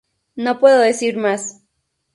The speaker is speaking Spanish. No puedo decir más.